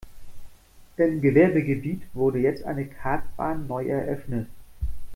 Im Gewerbegebiet wurde jetzt eine Kartbahn neu eröffnet.